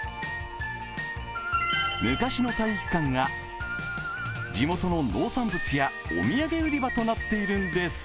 昔の体育館が地元の農産物やお土産売り場となっているんです。